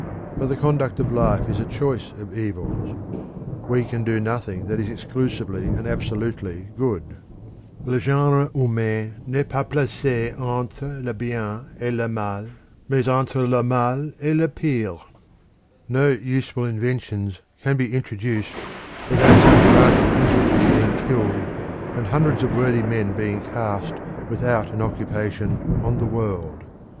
But the conduct of life is a choice of evils. We can do nothing that is exclusively and absolutely good. Le genre humain n'est pas place entre le bien et le mal, mais entre le mal et le pire. No useful inventions can be introduced without some branch of industry being killed and hundreds of worthy men being cast, without an occupation, on the world.